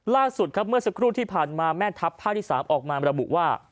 ล่าสุดครับเมื่อสักครู่ที่ผ่านมาแม่ทัพภาคที่๓ออกมาระบุว่า